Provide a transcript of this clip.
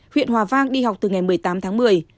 huyện hòa vang đi học từ ngày một mươi tám tháng một mươi